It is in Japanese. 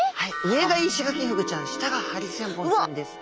上がイシガキフグちゃん下がハリセンボンちゃんです。